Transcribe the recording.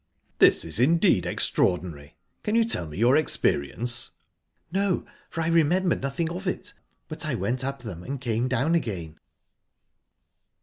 "This is indeed extraordinary! Can you tell me your experience?" "No; for I remember nothing of it. But I went up them and came down again."